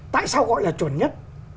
tại sao gọi là chuẩn nhất